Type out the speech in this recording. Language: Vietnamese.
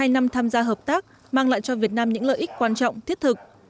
hai năm tham gia hợp tác mang lại cho việt nam những lợi ích quan trọng thiết thực